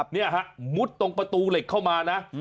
นี่ฮะมุดตรงประตูเหล็กเข้ามานะ